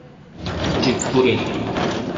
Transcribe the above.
ٹیکہ پورل ۔